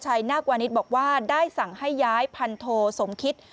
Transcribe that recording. นาควานิสบอกว่าได้สั่งให้ย้ายพันโทสมคิต